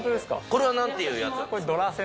これは何ていうやつ？